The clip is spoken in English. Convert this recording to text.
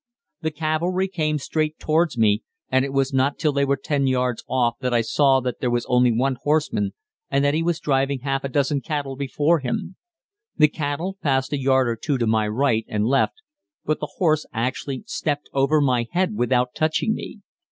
The cavalry came straight towards me, and it was not till they were 10 yards off that I saw that there was only one horseman and that he was driving half a dozen cattle before him. The cattle passed a yard or two to my right and left, but the horse actually stepped over my head without touching me.